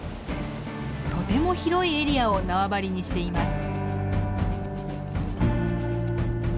とても広いエリアを縄張りにしています。